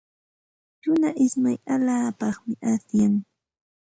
Runa ismay allaapaqmi asyan.